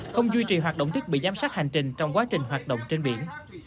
không duy trì hoạt động thiết bị giám sát hành trình trong quá trình hoạt động trên biển